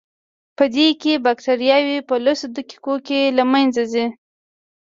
پدې کې بکټریاوې په لسو دقیقو کې له منځه ځي.